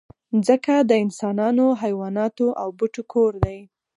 مځکه د انسانانو، حیواناتو او بوټو کور دی.